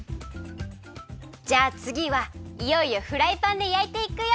じゃあつぎはいよいよフライパンでやいていくよ。